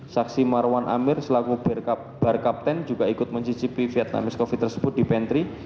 saksi marwan amir selaku bar kapten juga ikut mencicipi vietnam escoffee tersebut di pantry